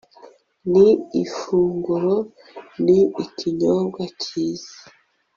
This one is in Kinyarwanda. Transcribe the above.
ni ifunguro ni kinyobwa cyiza